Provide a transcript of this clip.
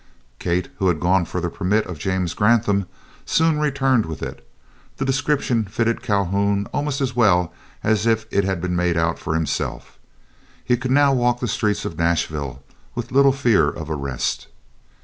Kate, who had gone for the permit of James Grantham, soon returned with it. The description fitted Calhoun almost as well as if made out for himself. He could now walk the streets of Nashville with little fear of arrest.